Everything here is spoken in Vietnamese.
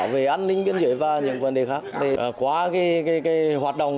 hárias ban kỳ phi dương